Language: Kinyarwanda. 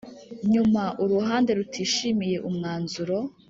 nyuma Uruhande rutishimiye umwanzuro